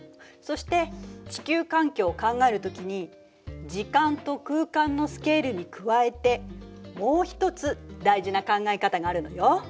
そして地球環境を考える時に時間と空間のスケールに加えてもう一つ大事な考え方があるのよ。